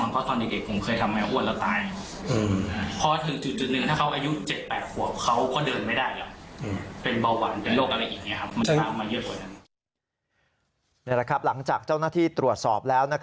นี่แหละครับหลังจากเจ้าหน้าที่ตรวจสอบแล้ว